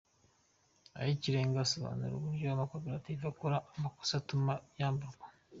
Iyikirenga asobanura uburyo amakoperative akora amakosa atuma yamburwa.